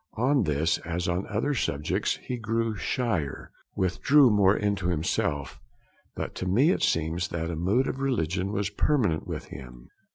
On this, as on other subjects, he grew shyer, withdrew more into himself; but to me it seems that a mood of religion was permanent with him.